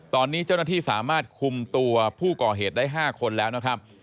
ตอนนี้เจ้าหน้าที่สามารถคุมตัวผู้ก่อเหตุได้๕คนแล้วนะครับ